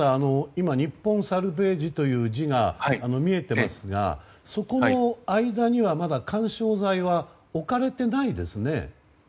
今、日本サルヴェージという字が見えていますが、そこの間にはまだ緩衝材は置かれていないですよね。